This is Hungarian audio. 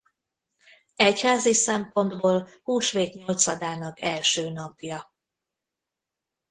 Egyházi szempontból húsvét nyolcadának első napja.